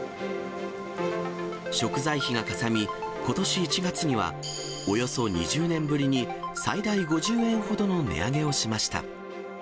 食材費がかさみ、ことし１月には、およそ２０年ぶりに、最大５０円ほどの値上げをしました。